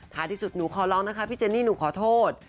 ที่สุดหนูขอร้องนะคะพี่เจนี่หนูขอโทษ